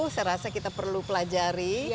saya rasa kita perlu pelajari